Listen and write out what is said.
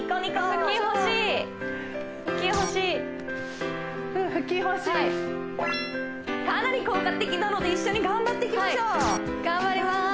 腹筋欲しいうん腹筋欲しいかなり効果的なので一緒に頑張っていきましょう頑張ります